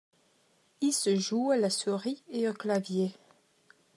Il se joue à la souris et au clavier.